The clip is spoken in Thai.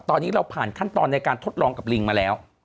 ตอนนี้เราผ่านขั้นตอนในการทดลองกับลิงมาแล้ว